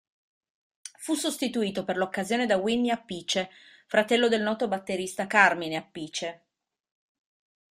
Fu sostituito per l'occasione da Vinny Appice, fratello del noto batterista Carmine Appice.